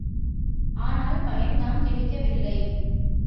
ஆனால் பயன்தான் கிடைக்கவில்லை.